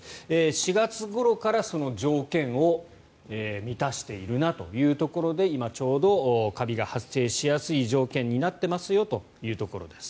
４月ごろから、その条件を満たしているなというところで今、ちょうどカビが発生しやすい条件になってますよというところです。